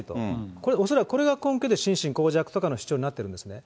これ、恐らくこれが根拠で心神耗弱とかの主張になってるんですね。